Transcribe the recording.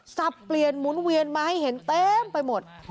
สับเปลี่ยนหมุนเวียนมาให้เห็นเต็มไปหมด